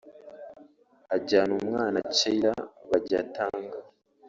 ajyana umwana ( Cheila)bajya Tanga